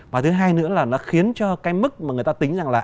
và thứ hai nữa là nó khiến cho cái mức mà người ta tính rằng là